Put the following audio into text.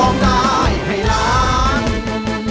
ร้องได้ให้ล้าน